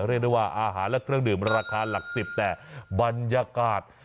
เรียกได้ว่าอาหารและเครื่องดื่มราคาหลักสิบแต่บรรยากาศ